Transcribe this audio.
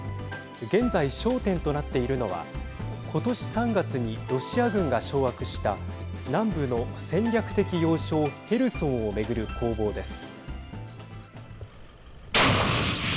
現在、焦点となっているのは今年３月にロシア軍が掌握した南部の戦略的要衝ヘルソンを巡る攻防です。